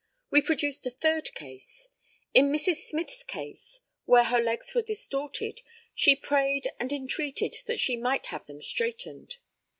We produced a third case. In Mrs. Smyth's case, when her legs were distorted, she prayed and entreated that she might have them straightened.